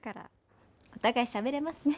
お互いしゃべれますね。